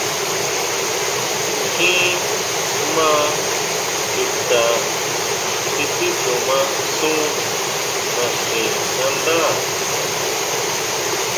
Kjín maa chuta xi titsuma sun naxinándá.